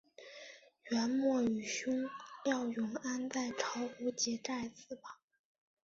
元末与兄廖永安在巢湖结寨自保。